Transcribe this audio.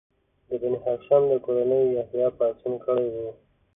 د بني هاشم د کورنۍ یحیی پاڅون کړی و.